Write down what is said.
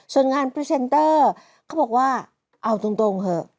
ส่วนงานพรีเซนเตอร์เขาบอกว่าเอาตรงเถอะ